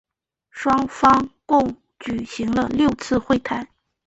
双方共举行了六次会谈。